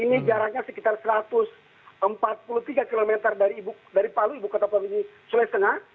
ini jaraknya sekitar satu ratus empat puluh tiga km dari palu ibu kota provinsi sulawesi tengah